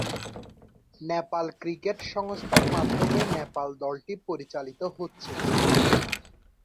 Nepal cricket সংস্থার মাধ্যমে নেপাল দলটি পরিচালিত হচ্ছে।